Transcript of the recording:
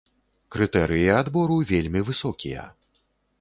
Крытэрыі адбору вельмі высокія.